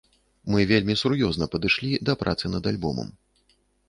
Мы вельмі сур'ёзна падышлі да працы над альбомам.